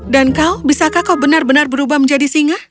dan kau bisakah kau benar benar berubah menjadi singa